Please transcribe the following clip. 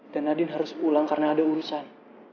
dan nadine harus pulang karena ada urusan